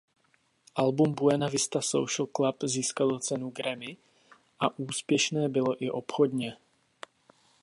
Album Buena Vista Social Club získalo cenu Grammy a úspěšné bylo i obchodně.